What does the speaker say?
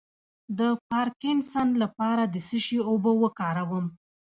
د پارکینسن لپاره د څه شي اوبه وکاروم؟